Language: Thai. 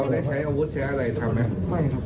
เราได้ใช้อาวุธใช้อะไรทำไหม